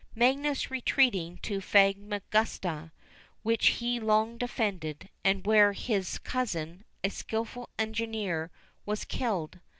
Magius retreating to Famagusta, which he long defended, and where his cousin, a skilful engineer, was killed.